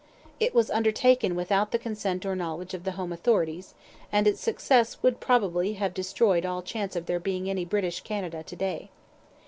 It was undertaken without the consent or knowledge of the home authorities; and its success would probably have destroyed all chance of there being any British Canada to day.